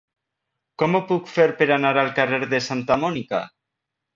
Com ho puc fer per anar al carrer de Santa Mònica?